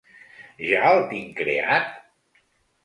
Ja el tinc creat?